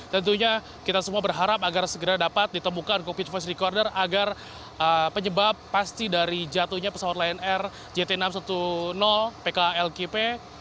tentunya kita semua berharap agar segera dapat ditemukan cockpit voice recorder agar penyebab pasti dari jatuhnya pesawat lion air jt enam ratus sepuluh pklkp